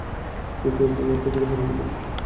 সুচরিতা আর থাকিতে পারিল না।